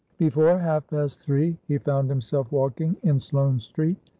Before half past three he found himself walking in Sloane Street.